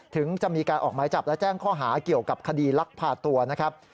ถึงจะมีการออกหมายจับและแจ้งข้อหาเกี่ยวกับคดีลักพาตัวนะครับ